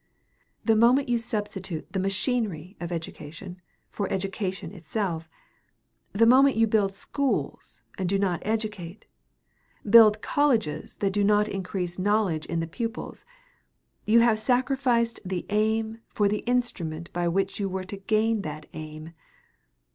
The moment you substitute the machinery of education for education itself, the moment you build schools and do not educate, build colleges that do not increase knowledge in the pupils, you have sacrificed the aim for the instrument by which you were to gain that aim.